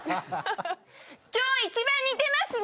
今日一番似てますね！